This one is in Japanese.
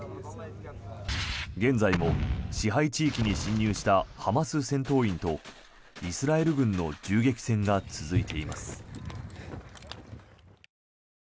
現在も支配地域に侵入したハマス戦闘員とイスラエル軍の銃撃戦が続いています。